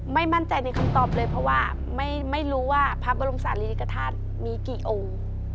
ไม่มั่นใจในคำตอบเลยเพราะว่าไม่รู้ว่าพระบรมศาลีริกฐาตุมีกี่องค์